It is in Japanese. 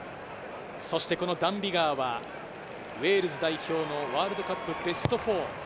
そしてダン・ビガーは、ウェールズ代表のワールドカップベスト４。